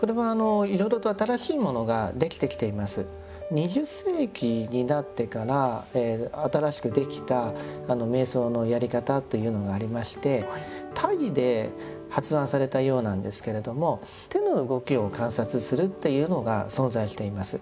２０世紀になってから新しくできた瞑想のやり方というのがありましてタイで発案されたようなんですけれども手の動きを観察するっていうのが存在しています。